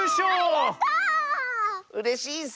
うれしいッス！